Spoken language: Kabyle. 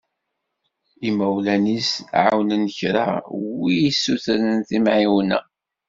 Imawlan-is εawnen kra w'i sen-yessutren timεiwna.